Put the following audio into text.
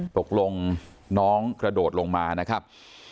ตกลงน้องกระโดดลงมานะครับ